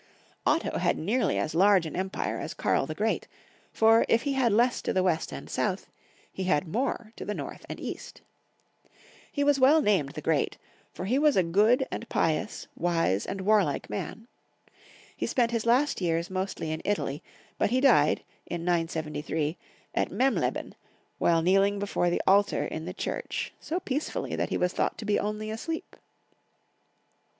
Otto had nearly as large an empire as Karl the Great, for if he had less to the west and south, he had more to the north and east. He was well 92 Young Folks^ History of Q ermany. named the great, for he was a good and pious, wise and warlike man. He spent his last years mostly in Italy, but he died, in 973, at Memleben, while kneeling before the altar in the church, so peace fully that he was thought to be only asleep.